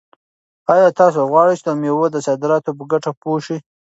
آیا تاسو غواړئ چې د مېوو د صادراتو په ګټه پوه شئ؟